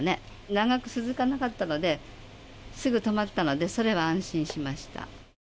長く続かなかったのですぐ止まったのでそれは安心しました。